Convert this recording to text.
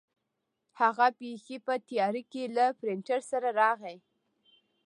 هغه بیخي په تیاره کې له پرنټر سره راغی.